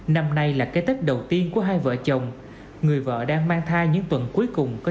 năm nay là cái tết đầu tiên của hai vợ chồng người vợ đang mang thai những tuần cuối cùng